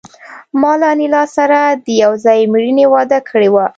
ما له انیلا سره د یو ځای مړینې وعده کړې وه